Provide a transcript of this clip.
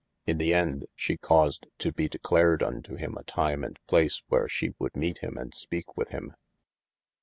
In the ende she caused to bee declared unto him a time and place where she woulde meete him and speake with him.